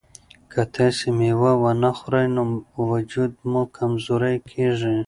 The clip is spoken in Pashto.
که تاسي مېوه ونه خورئ نو وجود مو کمزوری کیږي.